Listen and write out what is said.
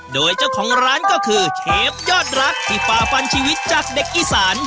โดยเจ้าของร้านก็คือเชฟยอดรักที่ฝ่าฟันชีวิตจากเด็กอีสาน